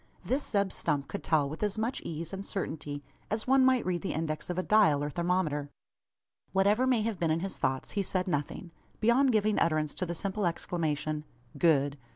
This Zeb Stump could tell with as much ease and certainty, as one might read the index of a dial, or thermometer. Whatever may have been in his thoughts, he said nothing, beyond giving utterance to the simple exclamation "Good!"